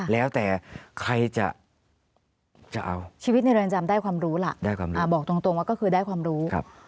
แล้วแต่ใครจะเอาชีวิตในเรือนจำได้ความรู้ล่ะบอกตรงว่าก็คือได้ความรู้